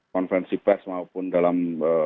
konvensi pes maupun dalam